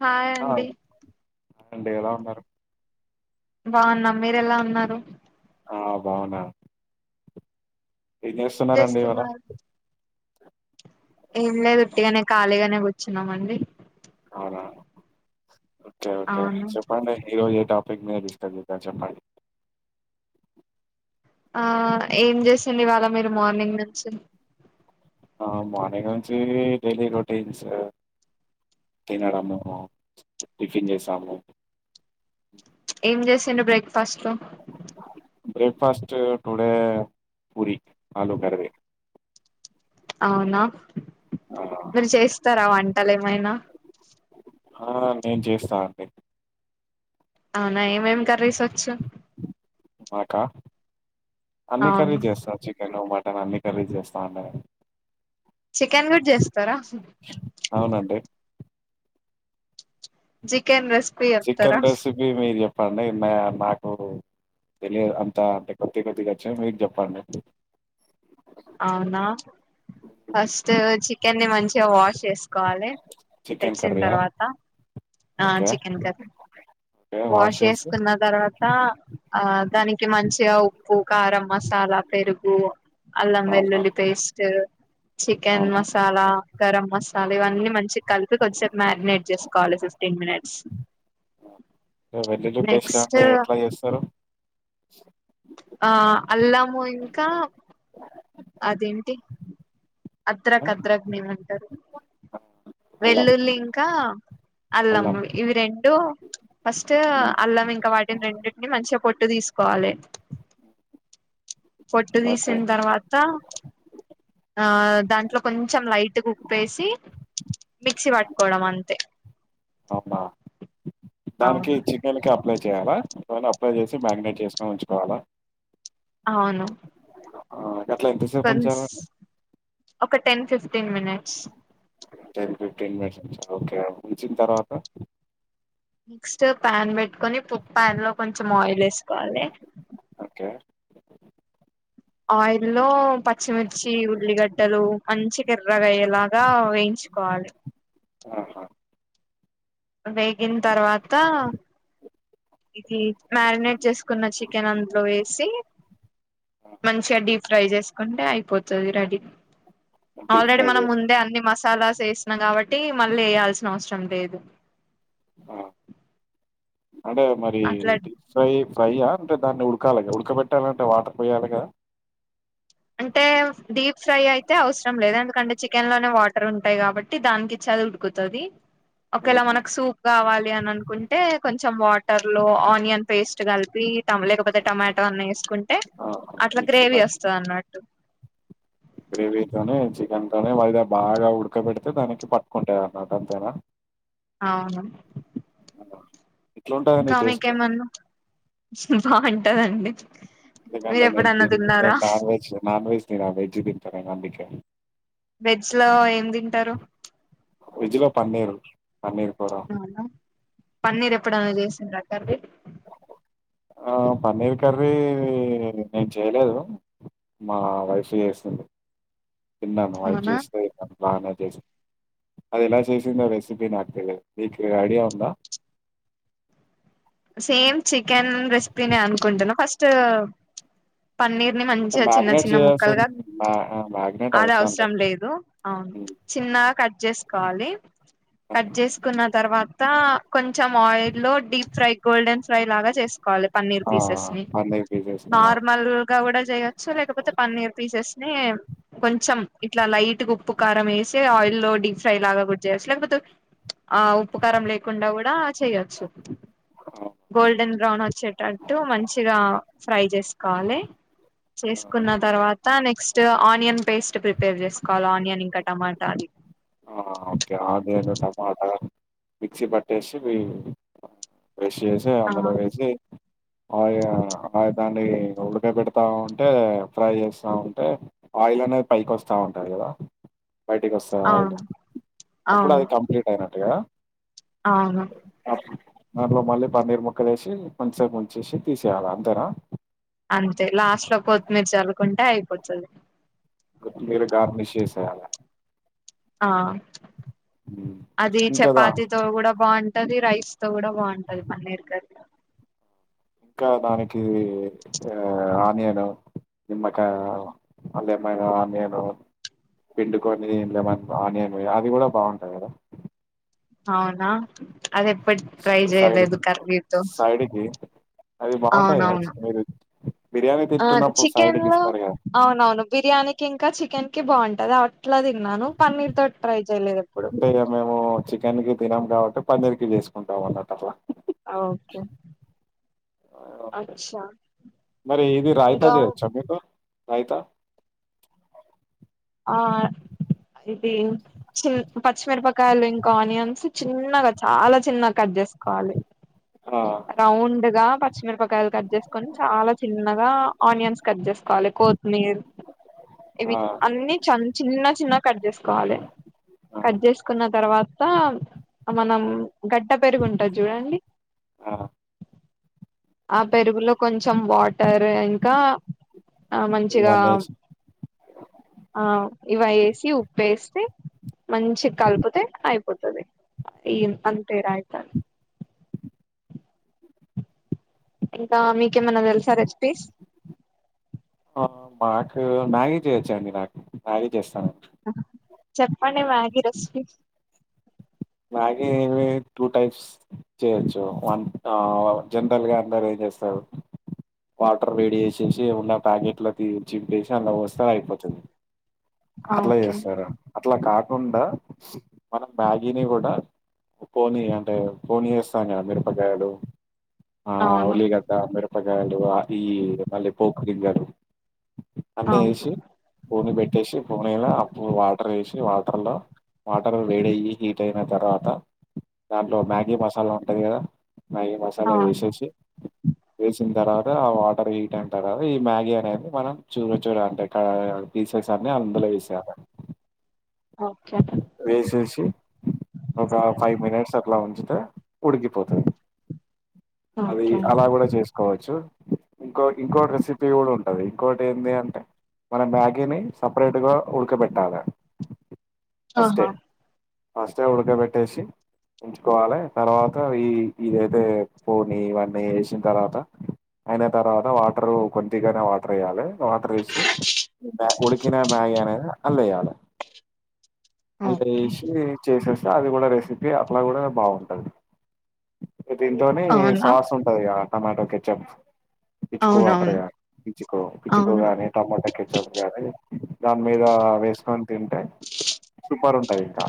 హా్ అండి అంటే ఏలాా ఉన్నారు బాగున్నా మీరెలా ఉన్నారు ఆ బాగునా ఏం చేస్తున్నరండి ఇవాళ ఏం లేదు ఒట్టిగానే ఖాళీగానే కూచ్చున్నామండి అవునా ఓకే ఓకే అవును చెప్పండి ఈరోజు ఏ టాపిక్ [unintelligible] మీదిష్టత చెప్పడి ఆ ఏం చేస్తుంది ఇవాళ మీరు మార్నింగ్ నుంచి మార్నింగ్ నుంచి డైలీ రొటీన్స్ తినడము టిఫిన్ చేసాము ఏం చేసిండ్రు breakfast first today puri ఆలుూ కరి అవునా ఆ మీరు చేస్తారా వం టలేమైనా ఆ నేను చేస్తా అండి అవునా ఎం ఏం కర్రీస్ వచ్చు మాకా అన్ని కర్రీ అవును చేస్తా చికెను మటన్ నేను అన్ని కర్రీ చేస్తాండి చికెన్ కూడా చేస్తారా అవునండి చికెన్ రెస్పీ చెప్తార పర్లే మే మాకు తెలియదు అంతా అంటే కొద్ది కొద్దిగా వచ్చి మీరు చెప్పండి అవునా ఫస్ట్ చికెన్ ని మంచిగా వాష్ చేసుకోవాలి చికెన్ తెచ్చిన కర్రీయా తర్వాత ఆ okay. Chicken curry okay. Wash చేసి చేసుకున్న తర్వాత ఆ దానికి మంచిగా ఉప్పు కారం మసాలా పెరుగు అల్లం అవునా! వెల్లుల్లి పేస్ట్ చికెన్ అవునా! మసాలా గరం మసాలా ఇవన్నీ మంచి కలిపి కొద్దిసేపు మారినేట్ చేసుకోవాలి ఫిఫ్టీన్ మినిట్స్ వెల్లుల్లి పేస్ట్ నెక్స్ట్ అంటే ఎట్లా చేస్తారు స [inaudible] ఆ అల్లము ఇంకా అదేమిటి ఆ! అద్రక్ అద్రక్ నేమంటారు అల్లం. వెల్లుల్లి ఇంకా అల్లం ఇవి రెండు ఫస్ట్ హ్మ్. అల్లం ఇంకా వాటిని రెండింటిని మంచి క పొట్టు తీసుకోవాలి పొట్టు ఓకే. తీసిన తర్వాత ఆ దాంట్లో కొంచెం లైట్గా ఉప్పేసి మిక్సీ పట్టుకోవడం అంతే అవునా! దానికి అవును చికెన్ క అప్లై చేయాలా అప్లై చేసి మ్యాగినేట్ చేసుకోని ఉంచుకోవాలా అవును అట్లా ఎంతసేపుంచాల కొన్స్ ఒక ten fifteen minutes ten fifteen మిస్ ఉ సార్ ఓకే ఉంచిన తర్వాత నెక్స్ట్ ప్యాన్ పెట్టుకొని ప్యాన్ లో కొంచం ఆయిల్ వేసుకోవాలి సర ఆయిల్లో పచ్చిమిర్చి ఉల్లిగడ్డలు మంచి ఎర్రగా అయ్యేలాగా వేయించుకోవాలి ఆహా! వేగిన తర్వాత ఇది మ్యారినేట్ చేసుకున్న చికెన్ అందులో వేసి ఆ! మంచిగా డీప్ ఫ్రై చేసుకుంటే అయిపోతుంది రెడీ డీప్ ఆల్రెడీ ఫ్రై మనం చేసి ముందే అన్ని మసాలాస్ చేసిన కాబట్టి మళ్ళీ వేయాల్సిన అవసరం లేదు ఆ అంటే మరి అట్లా ప్ ఫ్రై ఫ్రైయా అంటే దాన్ని ఉడకాలిగా ఉడకబెట్టాలంటే వాటర్ పోయాలిగా అంటే డీప్ ఫ్రై అయితే అవసరం లేదు ఎందుకంటే చికెన్ లోనే వాటర్ ఉంటాయి కాబట్టి దానికిచ్చది ఉడుకుతుంది ఒకేలా హుహు. మనకు సూప్ కావాలి అని అనుకుంటే కొంచం కొంచెం వాటర్ లో ఆనియన్ పేస్ట్ కలిపి తల కపోతే టమాటో అన్న వేసుకుంటే ఆహా! అట్లా మిక్సీ గ్రేవీ వస్తుంది అన్నమాట గ్రేవీతోనే చికెన్ త వయిద బాగా ఉడకబెడితే దానికి పట్టుకుంటేది అన్నట అంతేనా అవును ఎట్లుంటదండి ఇంకా టేస్ట్ మీకేమన్నా బాగుంట ఉంటదండి ఎందుక న నాన్ వెజ్ నాన్ వెజ్ నిరా వెజ్ బిత న అందుక అసలో ఏం తింటారు రజలో పన్నేరు పమీర్పురం అవునా పన్నీర్ ఎప్పుడైనా చేసిండ అక్కర్ పన్నీర్ కర్రీ నేను చేయలేదు మా వైఫ్ చేస్తుంది తిన్నాను వాయి అవునా చేస్తేను బానా చేసి అది ఎలా చేసిందో రెసిపీ నాకు తెదు నీకు ఐడియా ఉందా సేమ్ చికెన్ రెసిపీ నే అనుకుంటును ఫస్ట్ పన్నీర్ మంచిగా చిన్న మ్యాగ్నేట్ చిన్న చేయాల్సిన ముక్కలుగా మా మ్యాగ్నేట్ ఆది అవసరం లేదు అవును హ్మ్. చిన్నగా కట్ చే కాాలి కట్ చేసుకున్న తర్వాత కొంచెం ఆయిల్ట్ లో ీప్ ఫ్రై డ పచ్చ ఆ పన్నీర్ పీసెస్ ని ఆ కొంచెం ఇట్లా లైట్గా ఉప్పుకారం వేసి ఆయిల్ లో డీప్ ఫ్రై లాగా కూడా చేయచ్చు లేకపోతే ఆ ఉప్పుకారం లేకుండా కూడా చేయచ్చు మంచిగా ఫ్రై చేసుకోవాలి చేసుకున్న తర్వాత నక్ నెక్స్ట్ ఆనియన్ పేస్ట్ ప్రిపేర్ చేసుకోవాలి ఆనియన్ ఇంకా టమాటా అది ఓకే ఆదేలు టమాటా మిక్సీ పట్టేసి కష్ చేసి ఆ అందులో వేసి ఆయిల్ దాన్ని ఉడకయ పెడతా ఉంటే ఫ్రై చేస్తా ఉంటే ఆయిల్ అనేది పైకి వస్తూ ఉంటుంది కదా వాైటి కస్త అవును అప్పుడు అది కంప్లీట్ అయిన అ ఆ దాంట్లో మళ్ళీ పన్నీర్ ముక్కలు వేసి మంచించగా ముంచసి తీసేయాలి అందరా కొంటా అయిపోతుది గు మీరు గ నిశేషయాల ఆ హ్మ్. అది ఇంకా దా చపాతిీతోో కూడా బాగుంట అది రైస్తో కూడా బగుంటది పన్నరుకారు ఇంకా దానికి ఆనియను నిమ్మకాయలమ్మ ఆనియను పిండుకనిలమ ఆనియన్ అది కూడా బాగుంటుయి కదా అవునా అది ఎప్పటి ట్రై సైడ్ చేయలేదు కి కరవీతో సైడ్ కి అది బాగుంటాయి కదా అవునవును మీరు బిర్యానీ తింటున్నప్పుడు సైడ్ చికెన్ కి లో ఇస్తారు కదా అవునవును బిర్యానీ క ఇంకా చికెన్ కి బాగుంట అది అట్లాదిిన్నాను పన్నీర్ త ట్రై చేయలేదు ఎప్పుడు బే మేము చికెన్ కి తినం కాబట్టి పన్నర్ క వేసుకుంటాం అన్నట అట్లా ఓకే అచ్చా మరి ఏది ఇంకా రాయితజ వచ్చా మీతో రయిత ఆ ఇది చి పచ్చిమిరపకాయలు ఇంకా ఆనియన్స్ చిన్నగా చాలా చిన్నగా కట్ చేసుకోవాలి ఆ రౌండ్గా పచ్చిమిరపకాయలు కట్ చేసుకొని చాలా చిన్నగా ఆనియన్స్ కట్ చేసుకోవాలి కో నరు ఇవి ఆ అన్నిీ చిన్న చిన్న కట్ చేసుకోవాలి ఆ కట్ చేసుకున్న తర్వాత మనం గడ్డ పెరుగుంటాది చూడండి ఆ ఆ పెరుగులో కొంచెం వాటర్ ఇంకా ఆ మంచిగా ఇవన్నీ వేసి ఆ ఇవై సి ఉప్పేస్తే మంచి కలిపితే అయిప్ ఈ అంతేర ఇక ఇంకా మీకేమన్నా తెలుసా రెసిపీస్ ఆ మాకు మ్యాగి చేయచ్చు అండి నాకు మ్యాగి చేస్తాను చెప్పండి మ్యాగి రెసిపీ మ్యాగి ఏమి టూ టైప్స్ చేయొచ్చు వన్ ఆ జనరల్గా అందరు ఏం చేస్తారు వాటర్ వేడి చేేసేసి ఉన్న ప్యాకెట్లో తి చింపేసి అందులో పోస్తే అయిపోతుంద్ అట్లా ఓకే చేస్తారు అట్లా కాకుండా మనం మ్యా దీని కూడా ఒక్కోని అంటే పోనియస్ తన్య మిరుపకాయలు ఆ అవును ఉల్లిగడ్డ మిరుప్ [unintelligible] ఆపి మళ్ళీ పోపు గింజలు అన్ని అవును వేసి పో మీద ఎట్టేసి ఒమేగా అప్పుడు వాటర్ వేసి వా తల వాటర్ వేడయ్యి హీట్ అయిన తర్వాత దాంట్లో మ్యాగీ మసాలా ఉంటది కదా మ్యాగీ ఆ మసాలా వేసేసి వేసిన తర్వా ఆ వాటర్ హీట్ అంటారు అది మ్యాగీ అనేది మనం చూర చూర అంటే కా సారిని అందులో వేసారు ఓకే వేసేసి ఒక ఫైవ్ మినిట్స్ లా వంచితే ఉడికిపోతుంది అది ఓకే అలా అండి కూడా చేసుకోవచ్ చు ఇంకోకటి ఇంకో రెసిపీ కూడా ఉంటది ఇంకోటి ఏంది అంటే మన మ్యాగీని సపరేట్గా ఉడకబెట్టాలా ఆహా ఫస్టే ఉడకబెట్టేసి ఉంచుకోవాలి తర్వాత ఈ ఇదైతే పోనీ ఇవన్నీ వేసిన తర్వాత అయిన తర్వాత వాటరు కొద్దిగానే వాటర్ వేయ్యాలి వాటర్ వేసి [inaudible] ఉడి కినే బాగా అనేది అల్ [inaudible] వెయ్యాలి అలా ఓకే ఏసి సేస్తే అది కూడా రెసిపీ అట్లా కూడా బాగుంటది ఇ దీంట్లోని అవునా సాస్ ఉంటది గ టమాటో కెట్చప్ ఇపిచ్చుకో అంటారు అవునవును కదా పిచ్చుకో పిచ్చుకో అవును అనే టమొటా కెచప్ [inaudible] దాని మీద వేసుకొని తింటే సూపర్ ఉంటది ఇంకా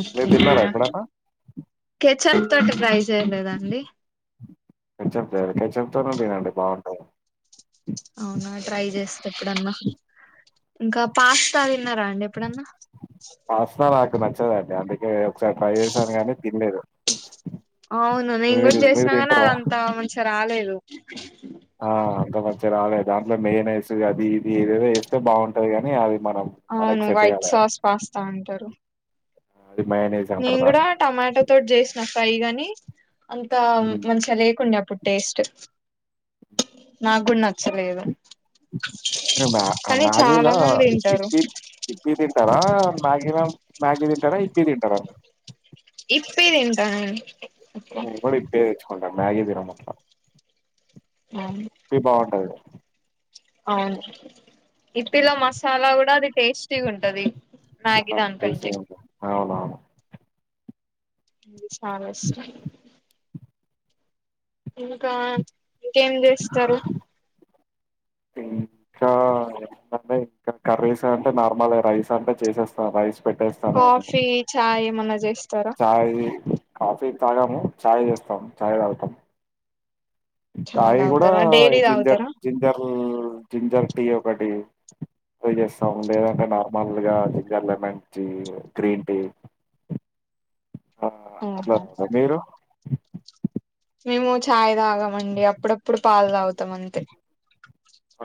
ఓకే మీరు తిన్నారా ఎప్పుడన్నా కే చప్ తట ప్రైజ చేయలేదు అండి కేచప్ చెప్తుాను నేన అండి బాగుంటాంది అవునా ట్రై చేస్తే ఎప్పుడన్నా ఇంకా పాస్తాది న్నారా అండి ఎప్పుడన్నా వదండి అందుకే ఒకసారి ఫ్రై్ చేసాను కాగానీ తినలేదు అవును నే ఇం కూడా మీరు మీరు చేసిన నీ తింటారా అదంతా మంచిగా రాలేదు ఆ అంత మంచిగా రాలేదు దాంట్లో మెయిన్ వేస్ అది ఇది ఏదేదో వేస్తే బాగుంటది కానీ అది మనం మనకి అవును సెట్ వైట్ కాలే సాస్ పాస్తా అంటారు అది మయోనైస్ అంటారు నన్ కూడా దాన్ని టమాటో తోడ్ జేస్త నాకాయి గాని అంతా ఉమ్. మంచిగా లేకుండా అప్పుడు టేస్ట్ నాకు కూడా నచ్చలేదు మ్యా కానీ మ్యాగిన చాలా మంది తింటారు హిప్పి ఇిప్పిదిితార మ్యాగిన మ్యాగిీ తింటారా ఇప్పి తింటారా ఇప్పితింటా ప్పుడి పేరు మ్యాగదిరా మట్ అవును ఇ బాగుంటాది అవును ఇట్లో మసాలా కూడా అది టేస్టీ ఉంటది మ్యాగీ సి దానికంటే ఉ అవునువును అ చస్ ఇందుకా ఇంకేం చేస్తారు ఇంకా ఏంటే ఇంకా కర్రీస్ అంటే నార్మల్ రైస్ అంటే చేసేస్తాను రైస్ కాఫీ చాయ్ మనజ సాయి కాఫీ తాగాము చాయ్ చేస్తాము చాయ్ తాగుతాం చాయ్ సాయి కూడా తాగుతారా డైలీ జింజర్ తాగుతారా జింజర్ జింజర్ టీ ఒకటి చేస్తాం లేదంటే నార్మల్గా ginger lemon tea green tea ఓహో మీరు మేము ఛాయ్ తాగమండి అప్పుడప్పుడు పాలు తాగుతాం అంతే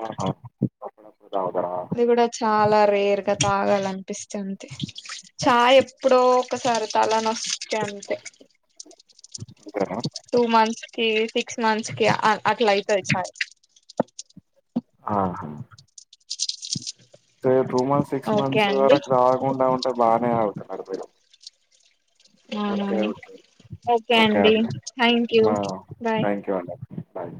ఆహా. [unintelligible] అది కూడా చాలా రేర్ గా తాగాలనిపిస్తుంది. చాయ ఎప్పుడో ఒకసారి తలనొస్తే అంతే అంతేనా టూ మంతస్ కేసి [unintelligible] అట్లాయితాయితాయి ఆ తే two months six okay months అండి వరకు రాకుండా ఉంటే బానే ఆవుతారు అయితే పోయిరా అవునా ఓకే అండి thank you bye thank you అండి బాయ్